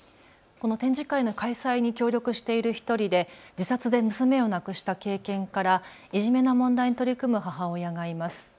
この展示会の開催に協力している１人で自殺で娘を亡くした経験からいじめの問題に取り組む母親がいます。